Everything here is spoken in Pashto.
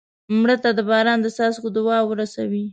مړه ته د باران د څاڅکو دعا ورسوې